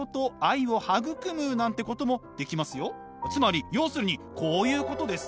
つまり要するにこういうことです。